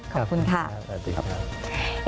ขอบคุณค่ะสวัสดีครับ